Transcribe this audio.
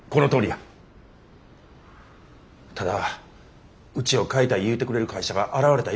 ただうちを買いたい言うてくれる会社が現れた今がタイミングやと思う。